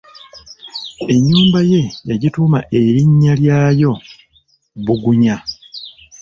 Ennyumba ye yagituuma erinnya lyayo Bugunya.